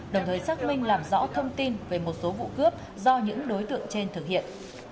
đồng thời xác minh làm rõ thông tin về một số vụ cướp do những đối tượng trên thực hiện